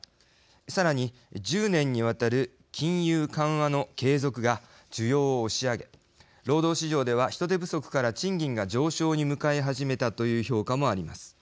さらに１０年にわたる金融緩和の継続が需要を押し上げ労働市場では人手不足から賃金が上昇に向かい始めたという評価もあります。